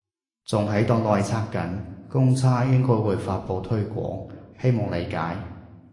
仲喺度內測緊，公測應該會發佈推廣，希望理解